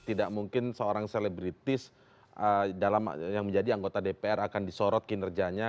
tidak mungkin seorang selebritis yang menjadi anggota dpr akan disorot kinerjanya